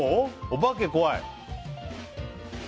お化け怖い？